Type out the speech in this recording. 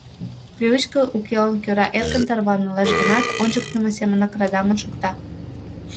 Привычкыже укелан кӧра эркын тарванылеш гынат, ончыктымо семынак радамын шукта.